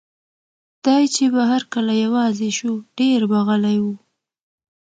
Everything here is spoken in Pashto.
دی چې به هر کله یوازې شو، ډېر به غلی و.